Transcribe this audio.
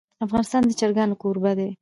افغانستان د چرګان کوربه دی.